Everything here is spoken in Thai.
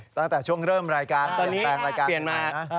ตั้งแต่ช่วงเริ่มรายการตั้งแต่รายการอีกแล้วนะ